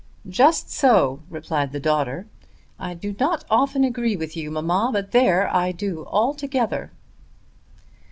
"Just so," replied the daughter. "I do not often agree with you, mamma; but I do there altogether."